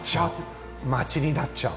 町になっちゃう。